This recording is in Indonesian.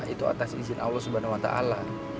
itu atas izin allah subhanahu wa ta'ala